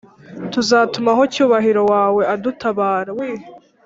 tuzatumaho cyubahiro wawe adutabara